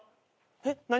えっ？何？